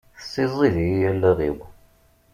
Tessezziḍ-iyi allaɣ-iw!